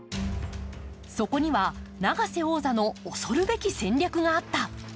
そこには、永瀬王座の恐るべき戦略があった。